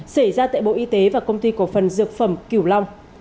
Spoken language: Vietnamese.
xảy ra tại bộ y tế và công ty cổ phần dược phẩm kiểu long